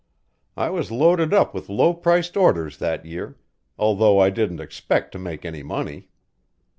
I was loaded up with low priced orders that year, although I didn't expect to make any money.